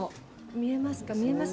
見えますね。